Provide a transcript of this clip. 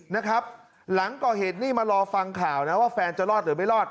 นะครับหลังก่อเหตุนี่มารอฟังข่าวนะว่าแฟนจะรอดหรือไม่รอด